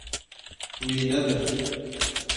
Wî nebir.